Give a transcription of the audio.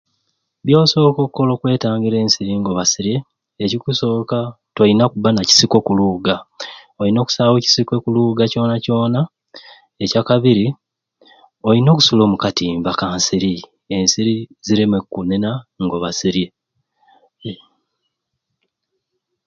Byosooka okukola okwetangira ensiri ng'obbasirye ekikusooka tolina kubba na kisiko ku lubuga olina okusaawa ekisiko okulubuga kyona kyona ekyakabiri olina okusula omu katimba aka nsiri ensiri zireme kkunena ng'obbasirye.